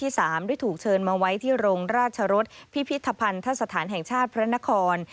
ได้ถูกเชิญมาไว้ที่โรงราชรสพิพิธภัณฑสถานแห่งชาติพระนคร